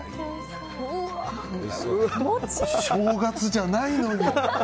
正月じゃないのに。